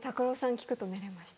聴くと寝れました。